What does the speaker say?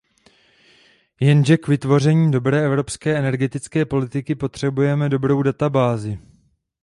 Jenže k vytvoření dobré evropské energetické politiky potřebujeme dobrou databázi.